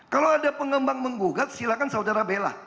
kalau ada pengembang menggugat silahkan saudara bela